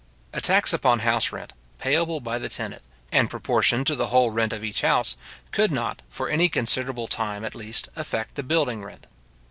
A tax upon house rent, payable by the tenant, and proportioned to the whole rent of each house, could not, for any considerable time at least, affect the building rent.